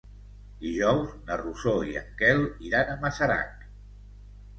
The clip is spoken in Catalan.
Dijous na Rosó i en Quel iran a Masarac.